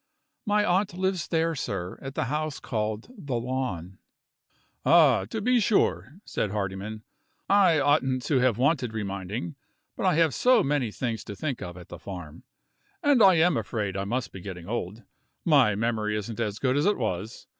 "My aunt lives there, sir; at the house called The Lawn." "Ah! to be sure!" said Hardyman. "I oughtn't to have wanted reminding; but I have so many things to think of at the farm. And I am afraid I must be getting old my memory isn't as good as it was.